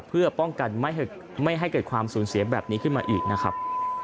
เพื่อป้องกันไม่ให้เกิดความสูญเสียแบบนี้ขึ้นมาอีกนะครับ